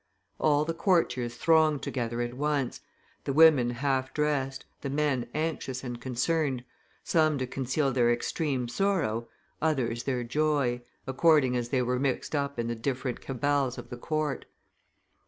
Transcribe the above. All the courtiers thronged together at once, the women half dressed, the men anxious and concerned, some to conceal their extreme sorrow, others their joy, according as they were mixed up in the different cabals of the court.